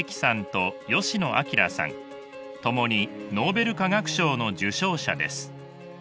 共にノーベル化学賞の受賞者です。